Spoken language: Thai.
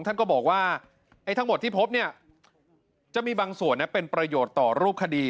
ท่านก็บอกว่าทั้งหมดที่พบเนี่ยจะมีบางส่วนเป็นประโยชน์ต่อรูปคดี